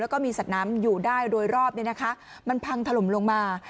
แล้วก็มีสัตว์น้ำอยู่ได้โดยรอบมันพังถล่มลงมา